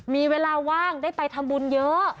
มีเวลาว่างได้ไปทำบุญเยอะ